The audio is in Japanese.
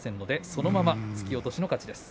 そのまま突き落としの勝ちです。